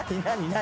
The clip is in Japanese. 何？